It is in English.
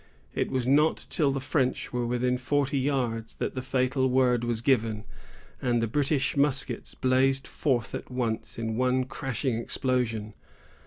It was not till the French were within forty yards that the fatal word was given, and the British muskets blazed forth at once in one crashing explosion.